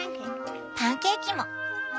パンケーキも。